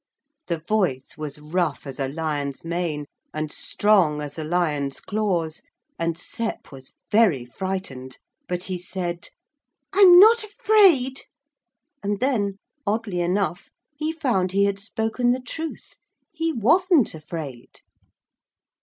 The voice was rough as a lion's mane, and strong as a lion's claws, and Sep was very frightened. But he said, 'I'm not afraid,' and then oddly enough he found he had spoken the truth he wasn't afraid.